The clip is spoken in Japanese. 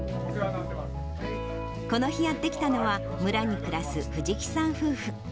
この日やって来たのは、村に暮らすふじきさん夫婦。